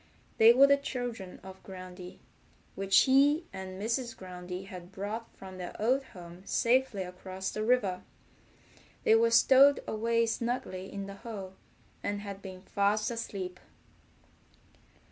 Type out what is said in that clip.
They were the children of Groundy, which he and Mrs. Groundy had brought from their old home safely across the river. They were stowed away snugly in the hole, and had been fast asleep.